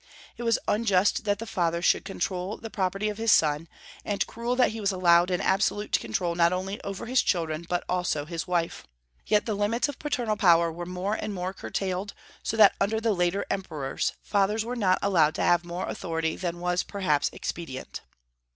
It was unjust that the father should control the property of his son, and cruel that he was allowed an absolute control not only over his children, but also his wife. Yet the limits of paternal power were more and more curtailed, so that under the later emperors fathers were not allowed to have more authority than was perhaps expedient.